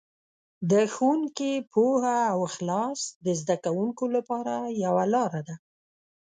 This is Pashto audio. د ښوونکي پوهه او اخلاص د زده کوونکو لپاره یوه لاره ده.